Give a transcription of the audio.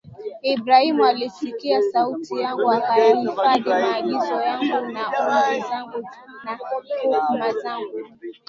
Ibrahimu alisikia sauti yangu akayahifadhi maagizo yangu na amri zangu na hukumu zangu na